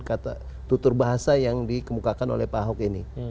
kata tutur bahasa yang dikemukakan oleh pak ahok ini